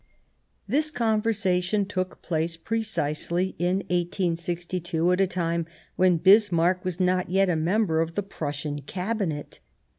" This conversation took place precisely in 1862, at a time when Bismarck was not yet a member of the Prussian Cabinet.